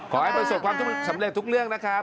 ขอให้ประสบความสำเร็จทุกเรื่องนะครับ